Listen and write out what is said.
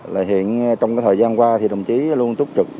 là hiện trong thời gian qua thì đồng chí luôn túc trực